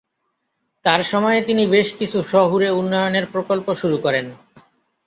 তার সময়ে তিনি বেশ কিছু শহুরে উন্নয়নের প্রকল্প শুরু করেন।